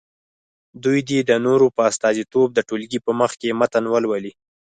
دوی دې د نورو په استازیتوب د ټولګي په مخکې متن ولولي.